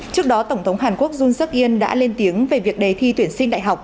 trước đó tổng thống hàn quốc jun seok in đã lên tiếng về việc đề thi tuyển sinh đại học